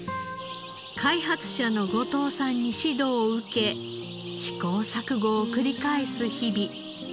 開発者の後藤さんに指導を受け試行錯誤を繰り返す日々。